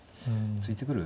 突いてくる？